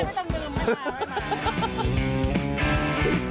ให้ได้ไม่ต้องยืม